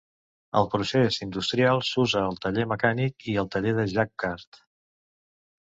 El procés industrial s'usa el teler mecànic i el teler de Jacquard.